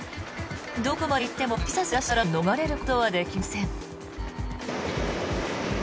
どこまで行っても突き刺す日差しから逃れることはできません。